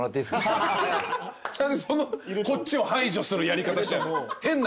何でこっちを排除するやり方して。